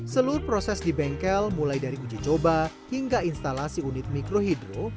seluruh proses di bengkel mulai dari uji coba hingga instalasi unit mikrohidro